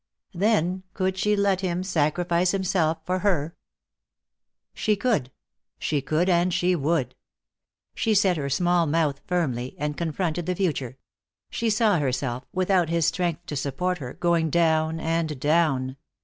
Then, could she let him sacrifice himself for her? She could. She could and she would. She set her small mouth firmly, and confronted the future; she saw herself, without his strength to support her, going down and down.